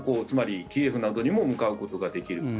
つまり、キエフなどにも向かうことができる。